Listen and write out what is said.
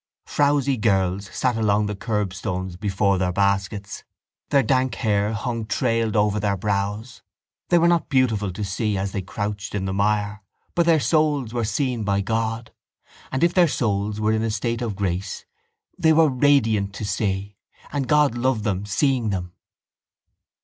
Frowsy girls sat along the curbstones before their baskets. Their dank hair hung trailed over their brows. They were not beautiful to see as they crouched in the mire. But their souls were seen by God; and if their souls were in a state of grace they were radiant to see: and God loved them, seeing them.